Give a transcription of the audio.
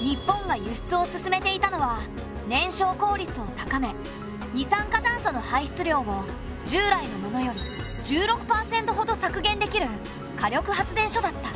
日本が輸出を進めていたのは燃焼効率を高め二酸化炭素の排出量を従来のものより１６％ほど削減できる火力発電所だった。